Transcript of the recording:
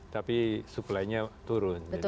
tapi suplainya turun